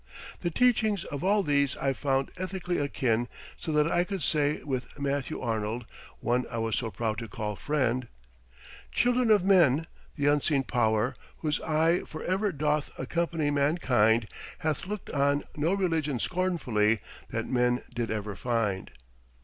The teachings of all these I found ethically akin so that I could say with Matthew Arnold, one I was so proud to call friend: "Children of men! the unseen Power, whose eye For ever doth accompany mankind Hath looked on no religion scornfully That men did ever find.